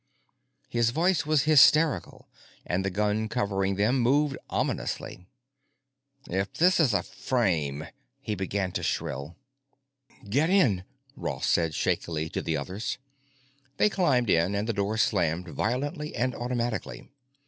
His voice was hysterical and the gun covering them moved ominously. "If this is a frame——" he began to shrill. "Get in," Ross said shakily to the others. They climbed in and the door slammed violently and automatically.